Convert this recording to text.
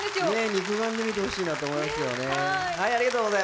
肉眼で見てほしいなと思いますよね。